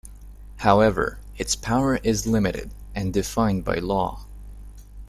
However, its power is limited and defined by law.